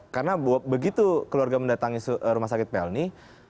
karena begitu keluarga mendatangi rumah sakit pelni